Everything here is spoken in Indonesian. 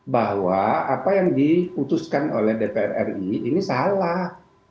bahwa apa yang diputuskan oleh dpr ri ini salah